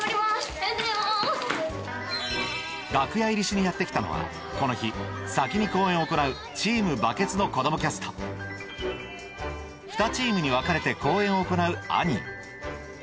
楽屋入りしにやって来たのはこの日先に公演を行うの子供キャスト２チームに分かれて公演を行う『Ａｎｎｉｅ』